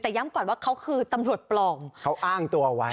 แต่ย้ำก่อนว่าเขาคือตำรวจปลอมเขาอ้างตัวไว้